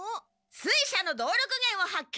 水車の動力源を発見！